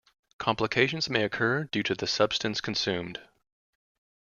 Complications may occur due to the substance consumed.